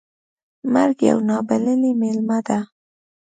مرګ یو نا بللی میلمه ده .